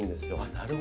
なるほどね。